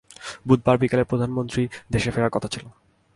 বুধবার বিকেলে প্রধানমন্ত্রীর দেশে ফেরার কথা ছিল।